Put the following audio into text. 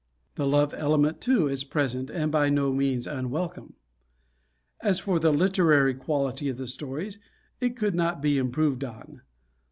The love element, too, is present and by no means unwelcome. As for the literary quality of the stories, it could not be improved on.